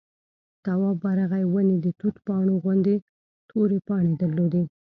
تواب ورغی ونې د توت پاڼو غوندې تورې پاڼې درلودې.